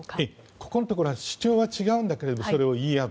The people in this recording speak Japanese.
ここのところは主張は違うんだけどもそれを言い合う。